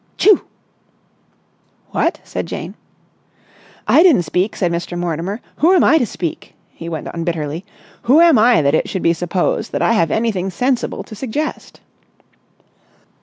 "Tchoo!" "What?" said Jane. "I didn't speak," said Mr. Mortimer. "Who am I to speak?" he went on bitterly. "Who am I that it should be supposed that I have anything sensible to suggest?"